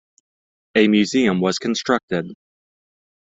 A museum was constructed.